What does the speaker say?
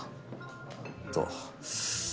えっと